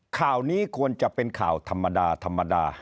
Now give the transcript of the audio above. ข่าวนี้ควรจะเป็นข่าวธรรมดาธรรมดา